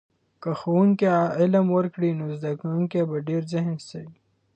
که ښوونکی علم ورکړي، نو زده کونکي به ډېر ذهین سي.